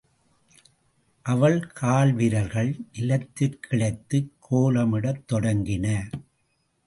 அவள் கால்விரல்கள் நிலத்திற் கிளைத்துக் கோலமிடத் தொடங்கின.